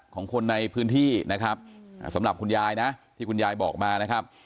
ของคนในพื้นที่นะครับสำหรับคุณยายนะที่คุณยายบอกมานะครับ